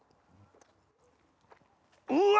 うわ！